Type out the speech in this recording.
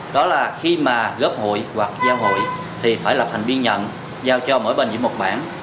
đó là khi mà góp hụi hoặc giao hụi thì phải lập thành viên nhận giao cho mỗi bên dưới một mảng